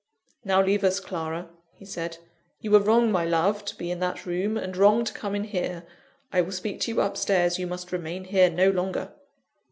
"Now leave us, Clara," he said. "You were wrong, my love, to be in that room, and wrong to come in here. I will speak to you up stairs you must remain here no longer."